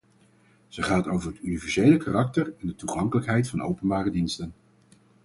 Ze gaat over het universele karakter en de toegankelijkheid van openbare diensten.